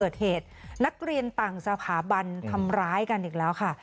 เกิดเหตุนักเรียนต่างสถาบันทำร้ายกันอีกแล้วค่ะ